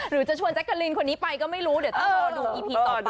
คือในแกงปราวมีแฟนทุกคน